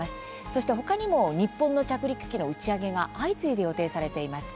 そして他にも日本の着陸機の打ち上げが相次いで予定されています。